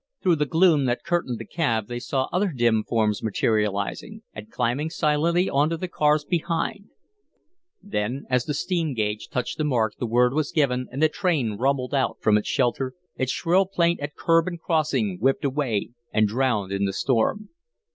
Through the gloom that curtained the cab they saw other dim forms materializing and climbing silently on to the cars behind; then, as the steam gauge touched the mark, the word was given and the train rumbled out from its shelter, its shrill plaint at curb and crossing whipped away and drowned in the storm.